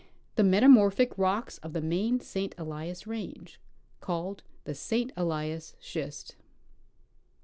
The metamorphic rocks of the main St. Elias range, called the St. Ellas schist.